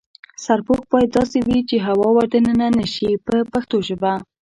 سرپوښ باید داسې وي چې هوا ور دننه نشي په پښتو ژبه.